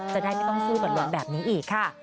จะได้ไม่ต้องสู้กับรถแบบนี้อีกค่ะ